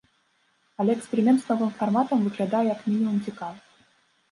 Але эксперымент з новым фарматам выглядае як мінімум цікава.